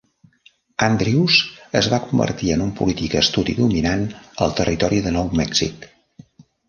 Andrews es va convertir en un polític astut i dominant al territori de Nou Mèxic.